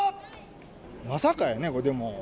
まさかやね、でも。